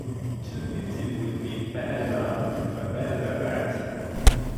Two fifty would be bad enough, but better than that.